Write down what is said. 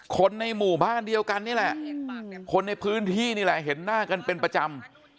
คนในหมู่บ้านเดียวกันนี่แหละคนในพื้นที่นี่แหละเห็นหน้ากันเป็นประจำ